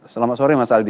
selamat sore mas aldi